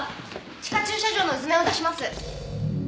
地下駐車場の図面を出します。